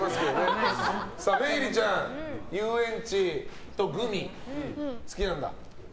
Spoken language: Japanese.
萌衣里ちゃん、遊園地とグミ好きなんだ。